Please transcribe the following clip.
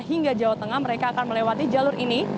hingga jawa tengah mereka akan melewati jalur ini